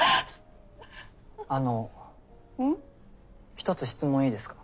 ひとつ質問いいですか？